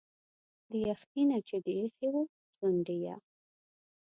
له يخني نه چي دي ا يښي وو ځونډ يه